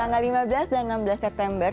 tanggal lima belas dan enam belas september